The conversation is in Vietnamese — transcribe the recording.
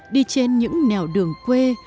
đi trên những nẻo đường quê